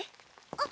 あっ！